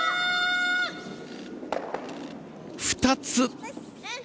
２つ。